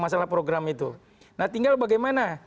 masalah program itu nah tinggal bagaimana